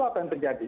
apa yang terjadi